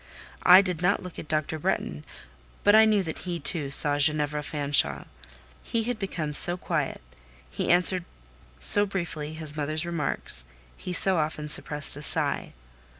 I did not look at Dr. Bretton; but I knew that he, too, saw Ginevra Fanshawe: he had become so quiet, he answered so briefly his mother's remarks, he so often suppressed a sigh.